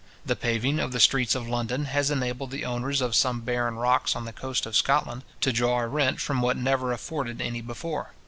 The paving of the streets of London has enabled the owners of some barren rocks on the coast of Scotland to draw a rent from what never afforded any before.